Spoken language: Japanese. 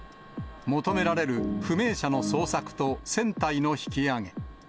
求められる、不明者の捜索と船体の引き揚げ。